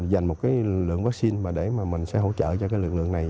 dành một cái lượng vaccine mà để mà mình sẽ hỗ trợ cho cái lực lượng này